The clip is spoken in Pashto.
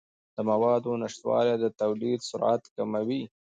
د موادو نشتوالی د تولید سرعت کموي.